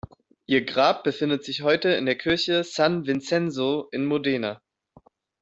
Ihr Grab befindet sich heute in der Kirche San Vincenzo in Modena.